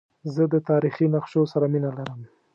زه د تاریخي نقشو سره مینه لرم.